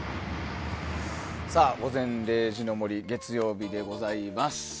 さあ、「午前０時の森」月曜日でございます。